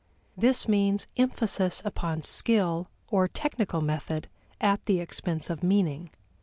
This means emphasis upon skill or technical method at the expense of meaning.